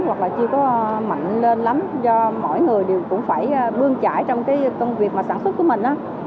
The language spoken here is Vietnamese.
hoặc là chưa có mạnh lên lắm do mỗi người đều cũng phải bương chải trong cái công việc mà sản xuất của mình